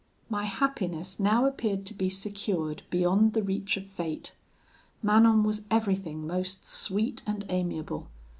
"My happiness now appeared to be secured beyond the reach of fate. Manon was everything most sweet and amiable.